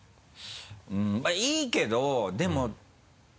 うんまぁいいけどでも。